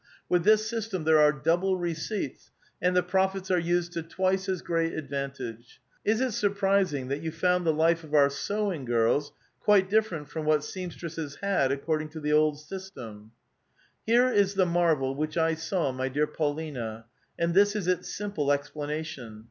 With this system there are double receipts, and the profits are lised to twice as great advantage. Is it surprising that you found the life of our sewing girls quite different from what seamstresses, had ac cording to the old system ?" Here is the marvel which I saw, my dear Paulina, and this is its simple explanation.